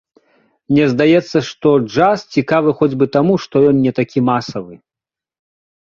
Мне здаецца, што джаз цікавы хоць бы таму, што ён не такі масавы.